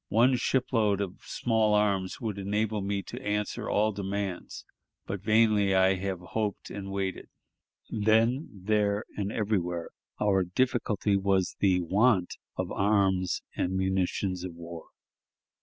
One ship load of small arms would enable me to answer all demands, but vainly have I hoped and waited." Then, there, and everywhere, our difficulty was the want of arms and munitions of war.